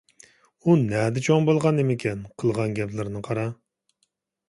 ئۇ نەدە چوڭ بولغان نېمىكەن؟ قىلغان گەپلىرىنى قارا.